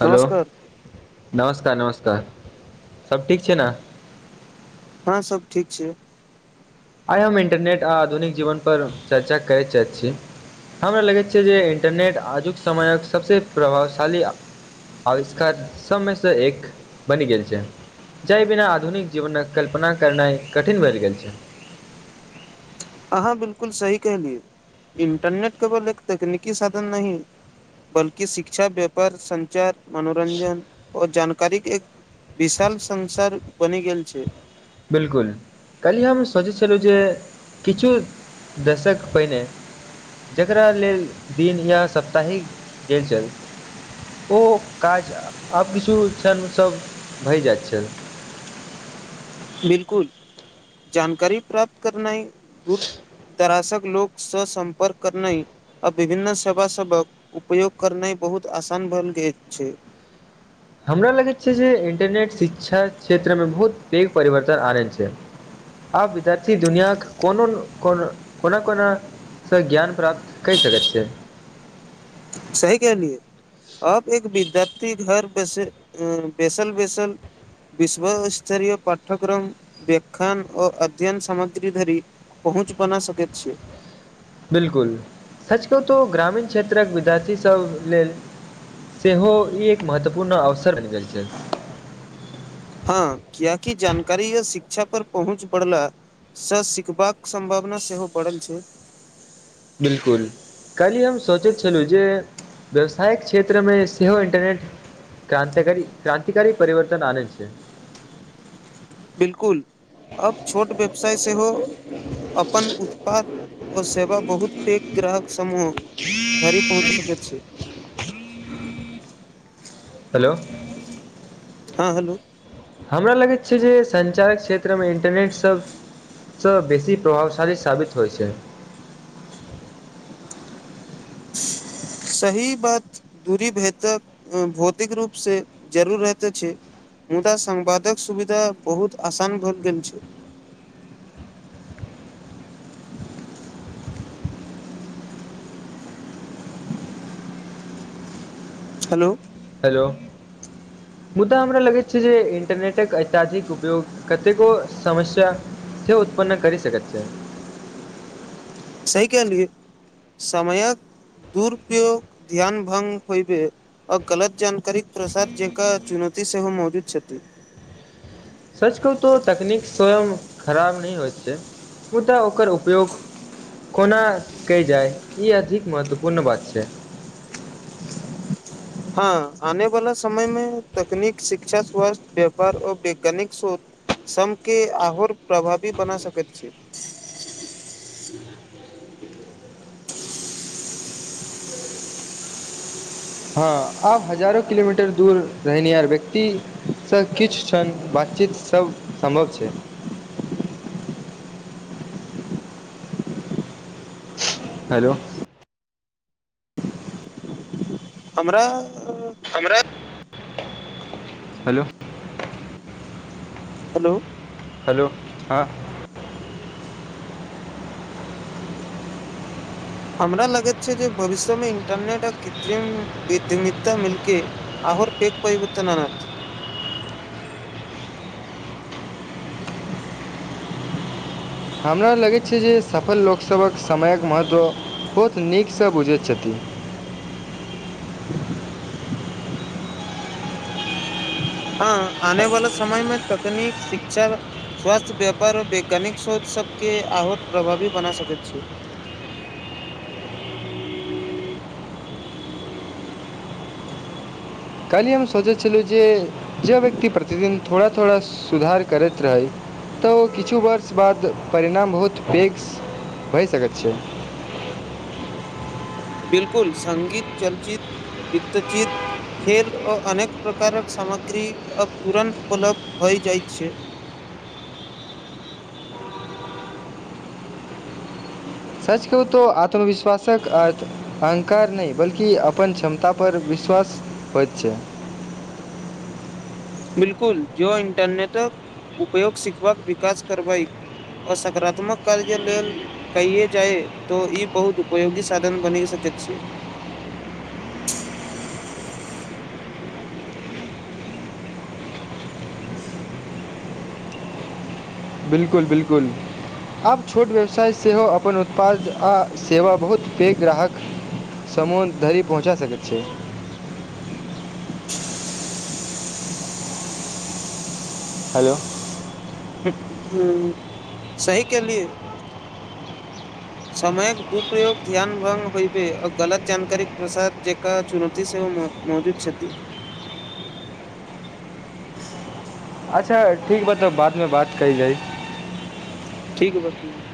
hello नमस्कार नमस्कार नमस्कार सब ठीक छै नऽ हँ सब ठीक छिये आइ हम इंटरनेट आ आधुनिक जीवन पर चर्चा करैत चाहैत छी हमरा लगैत छै जे इंटरनेट आजुक समयक सभसँ प्रभावशाली आविष्कार सब मड सँ एक बनि गेल छै जाहि बिना आधुनिक जीवनक कल्पना करनाइ कठिन बनि गेल छै अहाँ बिलकुल सही कहलिय इंटरनेट केवल एक तकनीकी साधन नहि बल्कि शिक्षा व्यापार सञ्चार मनोरञजन ओ जानकारी एक विशाल संसार बनि गेल छैय बिलकुल कली हम सोचै छलहुँ जे किछु दशक पहिने जकरा लेल दिन या सप्ताहिक गेल छल ओ काज आब किछु छनि सब भय जायत छै बिल्कुल जानकारी प्राप्त करनाइ दूर दराशक लोकग सँ संपर्क करनाय आ विभिन्न सेवा सबक उपयोग करनाइ बहुत आसान बन गेल छै हमरा लगैत छै जे इन्टरनेट शिक्षा क्षेत्रमे बहुत पैघ परिवर्तन आ रहल छै आब विद्यार्थी दुनियााक कोनो को कोना कोना स ज्ञान प्राप्त कय सकैत छियै सही कहलियै आब एक विद्यार्थी घर बेसे बैसल बैसल विश्वस्तरिय पाठ्यक्रम व्यख्यान ओ अध्यनन सामग्री धरी पहुँच बना सकैत छियै बिल्कुल सच कहु तो ग्रामीण क्षेत्रक विद्यार्थीसभ लेल सेहो ई एक महत्वपूर्ण अवसर बनि गेल छै हँ किएकी जानकारी य शिक्षा पर पहुँच पड़ला सँ सिखबाक सम्भावना सेहो पड़ल छै बिल्कुल काल्हि हम सोचैत छलहुँ जे व्यवसायके क्षेत्रमे सेहो इन्टरनेट क्रांतिकारी क्रांतिकारी परिवर्तन आनय छै बिल्कुल अब छोट व्यवसाय सेहो अपन उत्पाद ओ सेवा बहुत पैघ ग्राहक समूह धरि पहुँच सकैत छै हेलो हां हेलो हमरा लगैत छै जे संचारक क्षेत्रमे इंटरनेट सब सँ बेसी प्रभावशाली साबित होइ छै सही बात दूरी भेतक भौतिक रूपसँ जरूरी रहेत छै मुदा संवादक सुविधा बहुत आसान भऽ गेल छै हेलो हेलो मुदा हमरा लगैत छै जे इंटरनेटक अत्यधिक उपयोग कतेको समस्या से उत्पन्न करि सकैत छै सही कहलियै समयक दुरुप्रयोग ध्यान भंग होब आ गलत जान तनिक प्रसाद जकर चुनौती सेहो मौजूद छथि सच कहू तो तकनीक स्वयं खराब नहि होइत छै मुदा ओकर उपयोग कोना कय जाय ई अधिक महत्वपूर्ण बात छै हँ आने वाला समय मे तकनीक शिक्षा स्वास्थ्यय व्यापार आऔर वैज्ञानिक शोध समके आहोर प्रभावी बना सकैत छै हँ आब हजारो किलोमीटर दूर रहनियार व्यक्ति सँ किछु कनि बातचीतसभ सम्भव छै हेलो हमरा हमरा हेलो हलो हेलो हँ हमरा लगैत छै जे भविष्य मे इंटरनेट आ कृत्रिम विधिमिता मिल केँ आहोर पेेक परिवर्तन अनत हमरा लगैत छै जे सफल लोकसभक समयक महत्व बहुत नीकसँ बुझैत छथि हँ आने वाला समय मे तकनीक शिक्षा स्वास्थ्य व्यापार वैज्ञानिक शोच सबकेँ आओर प्रभावी बना सकैत छै काल्हि हम सोचै छलहुँ जे जे व्यक्ति प्रतिदिन थोड़ा थोड़ा सुधार करैत रहै तऽ ओ किछु वर्ष बाद परिणाम बहुत पैघ भए सकैत छै बिलकुल संगीत चलचित वित्तचित खेल आ अनेक प्रकारक सामग्री अब तुरन्त उपलब्ध होइ जाइत छै सच कहु तो आत्मविश्वासक अर्थ अहंकार नहि बल्कि अपन क्षमता पर विश्वास होइत छै बिलकुल जो इंटरनेटक उपयोग सिखबक विकास करबई आ सकारात्मक कार्य लेल कइए जाइ त ई बहुत उपयोगी साधन बनी सकैत छी बिल्कुल बिल्कुल आब छोट व्यवसाय सेहो अपन उत्पाद आ सेवा बहुत पैघ ग्राहक समान धरी पहुँचा सकैत छै हेलो हूँ सही केली समयक दुप्रयोग ध्यान भंग होइबे आ गलत जानकारी प्रसार जेका चुनोती सेहो महजुद छथि अच्छा ठीक बत तब बाद मे बात कइल जाइ ठीक बा ठीक बा